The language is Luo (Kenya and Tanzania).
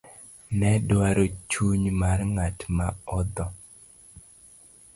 nedwaro chuny mar ng'at ma odho